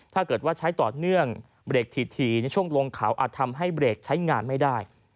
ถ้าเกิดว่าใช้ต่อเนื่องเบรกถี่ในช่วงลงเขาอาจทำให้เบรกใช้งานไม่ได้